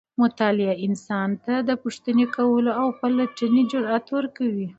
مطالعه انسان ته د پوښتنې کولو او پلټنې جرئت ورکوي.